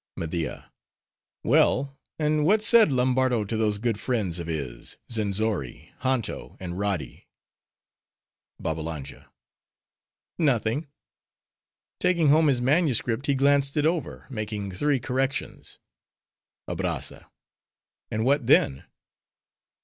MEDIA—Well: and what said Lombardo to those good friends of his,— Zenzori, Hanto, and Roddi? BABBALANJA—Nothing. Taking home his manuscript, he glanced it over; making three corrections. ABRAZZA—And what then?